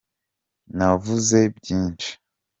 navuze byinshi.